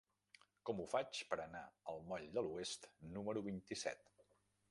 Com ho faig per anar al moll de l'Oest número vint-i-set?